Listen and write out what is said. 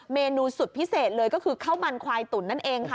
เมนูสุดพิเศษเลยก็คือข้าวมันควายตุ๋นนั่นเองค่ะ